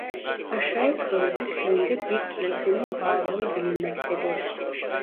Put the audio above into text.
Aşağıkırzı köyünde bir kilisenin varlığı bilinmektedir.